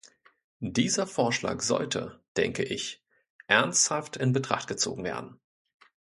Dieser Vorschlag sollte, denke ich, ernsthaft in Betracht gezogen werden.